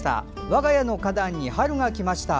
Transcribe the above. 我が家の花壇に春が来ました。